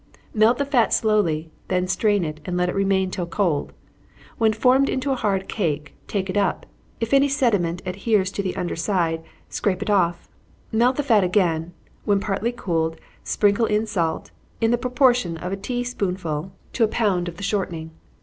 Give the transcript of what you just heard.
Melt the fat slowly, then strain it, and let it remain till cold. When formed into a hard cake, take it up if any sediment adheres to the under side, scrape it off. Melt the fat again when partly cooled, sprinkle in salt, in the proportion of a tea spoonful to a pound of the shortening.